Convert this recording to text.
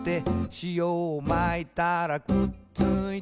「しおをまいたらくっついた」